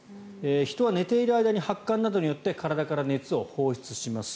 人は寝ている間に発汗などによって体から熱を放出します。